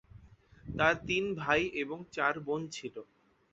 তার তিন ভাই এবং চার বোন ছিল।